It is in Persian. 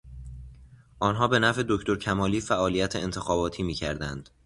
آنها به نفع دکتر کمالی فعالیت انتخاباتی میکردند.